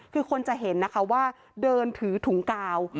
คือคนจะเห็นนะคะว่าเดินถือถุงกาว